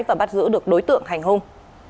và bắt giữ được đối tượng hành hung